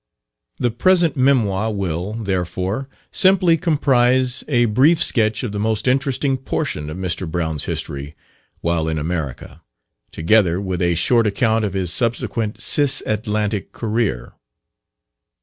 The present memoir will, therefore, simply comprise a brief sketch of the most interesting portion of Mr. Brown's history while in America, together with a short account of his subsequent cisatlantic career.